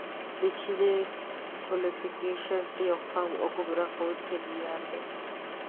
د جیني کویفیشینټ یو خام او ګمراه کوونکی معیار دی